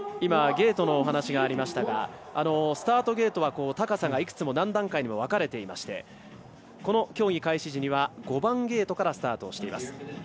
ゲートのお話がありましたがスタートゲートは高さがいくつも何段階にも分かれていましてこの競技開始時には５番ゲートからスタートしています。